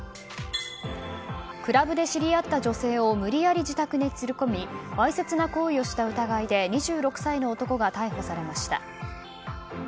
クラブで知り合った女性を無理やり自宅に連れ込みわいせつな行為をした疑いで２６歳の男が逮捕されました。